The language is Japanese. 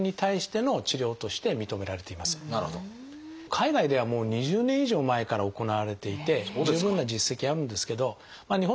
海外ではもう２０年以上前から行われていて十分な実績あるんですけど日本でもようやくですね